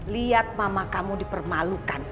lihat mama kamu dipermalukan